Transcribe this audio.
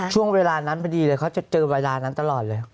ช่วงเวลานั้นพอดีเลยเขาจะเจอเวลานั้นตลอดเลย